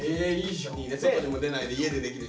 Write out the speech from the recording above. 外にも出ないで家でできるしね。